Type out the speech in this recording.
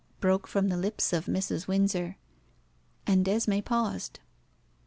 broke from the lips of Mrs. Windsor, and Esmé paused.